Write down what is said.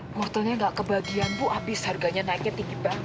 wortelnya gak kebagian bu abis harganya naiknya tinggi banget